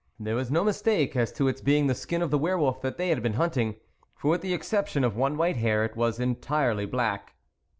There was no mistake as to its being the skin of the were wolf that they had been hunting, for with the exception of one white hair, it was entirely black.